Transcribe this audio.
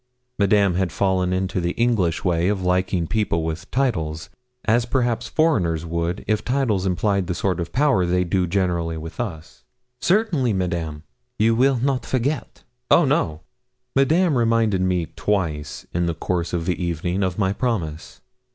Madame had fallen into the English way of liking people with titles, as perhaps foreigners would if titles implied the sort of power they do generally with us. 'Certainly, Madame.' 'You will not forget?' 'Oh no.' Madame reminded me twice, in the course of the evening, of my promise.